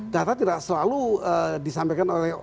data tidak selalu disampaikan oleh